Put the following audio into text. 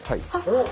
おっ！